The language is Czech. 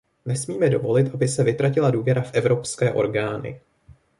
Nesmíme dovolit, aby se vytratila důvěra v evropské orgány.